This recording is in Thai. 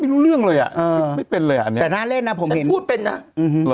ไม่รู้เรื่องเลยเห็นภาษาจากไม่เกิดเป็นเลย